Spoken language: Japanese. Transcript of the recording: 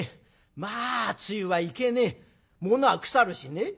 まあ梅雨はいけねえ物は腐るしね。